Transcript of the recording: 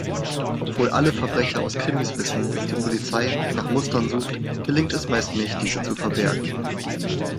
Obwohl alle Verbrecher aus Krimis wissen, dass die Polizei nach Mustern sucht, gelingt es meist nicht, diese zu verbergen.